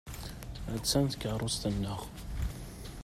Attan tkeṛṛust-nneɣ.